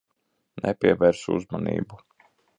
Nepievērs uzmanību.